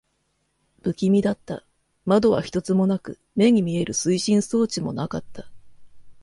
不気味だった。窓は一つもなく、目に見える推進装置もなかった。